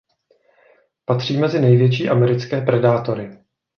Patří mezi největší americké predátory.